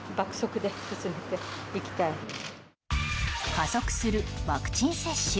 加速するワクチン接種。